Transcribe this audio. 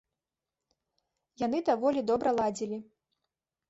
Яны даволі добра ладзілі.